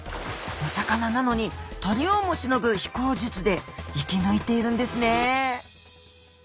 お魚なのに鳥をもしのぐ飛行術で生き抜いているんですねえ。